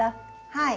はい。